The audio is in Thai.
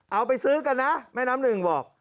เอาไปซื้อกันนะแม่น้ำหนึ่งบอก